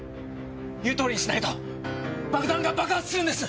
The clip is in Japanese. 言う通りにしないと爆弾が爆発するんです！